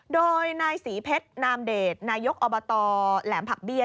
โดยนายศรีเพชรนามเดชนายกอบตแหลมผักเบี้ย